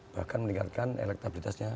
bahkan meningkatkan elektabilitasnya